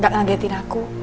gak ngelagetin aku